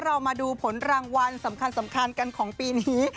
เรามาดูผลรางวัลสำคัญกันของปีนี้